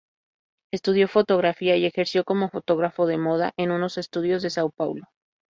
Estudió fotografía y ejerció como fotógrafo de moda en unos estudios de São Paulo.